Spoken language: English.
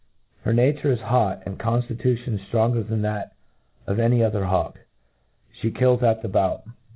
Her nature is hot, and conftitutioi)i ftrong icjr than that of any other bawk. She kills at the bout.